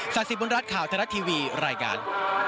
ศาสตรีบุญรัฐข่าวธนรัฐทีวีรายการ